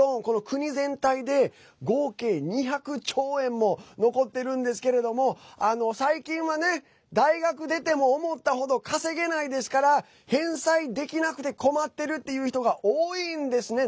国全体で合計２００兆円も残ってるんですけれども最近はね、大学出ても思った程、稼げないですから返済できなくて困ってるっていう人が多いんですね。